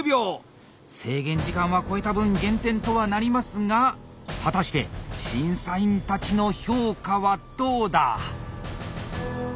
制限時間は超えた分減点とはなりますが果たして審査員たちの評価はどうだ。